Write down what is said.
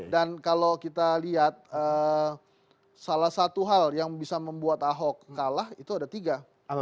dan kalau kita lihat salah satu hal yang bisa membuat ahok kalah itu ada tiga